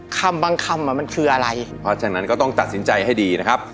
คำบางคำอ่ะมันคืออะไรเพราะฉะนั้นก็ต้องตัดสินใจให้ดีนะครับ